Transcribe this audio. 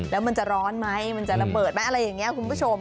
แล้วมันจะร้อนไหมมันจะระเบิดไหมอะไรอย่างนี้คุณผู้ชม